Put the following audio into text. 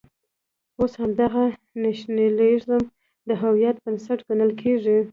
اوس همدغه نېشنلېزم د هویت بنسټ ګڼل کېږي.